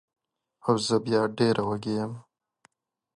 او زه بیا ډېره وږې یم